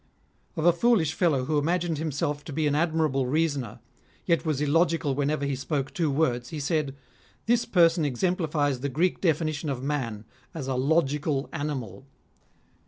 Of a foolish fellow, who imagined himself to be an admirable reasoner, yet was illogical whenever he spoke two words, he said :" This person exemplifies the Greek definition of man, as a ' logical animal.'